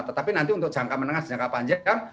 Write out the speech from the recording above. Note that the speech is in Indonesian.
tetapi nanti untuk jangka menengah jangka panjang